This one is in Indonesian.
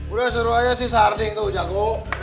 udah suruh aja sih sarding tuh jago